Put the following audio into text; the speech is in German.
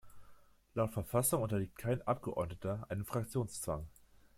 Laut Verfassung unterliegt kein Abgeordneter einem Fraktionszwang.